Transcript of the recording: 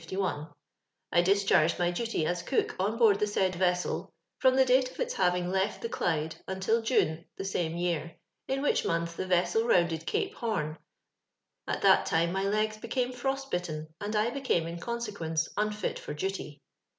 I dischargod my duty as cook on board tiic Kiid veseel. ttoxa the date of its liaving left the Clydu, until June the same vcar. in which mouth the vessod rounded Cape Ilorno, at tluit time my legs bocaine frost bitten, and 1 beciime in cou^equunco imfit for duty.